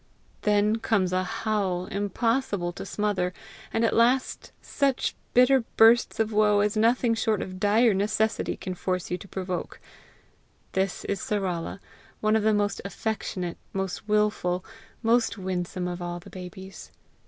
Then comes a howl impossible to smother, and at last such bitter bursts of woe as nothing short of dire necessity can force you to provoke. This is Sarala, one of the most affectionate, most wilful, most winsome of all the babies.